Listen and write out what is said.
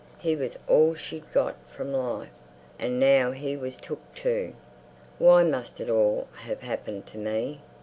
He was all she'd got from life, and now he was took too. Why must it all have happened to me?